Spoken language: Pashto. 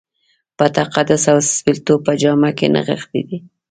په تقدس او سپېڅلتوب په جامه کې نغښتی دی.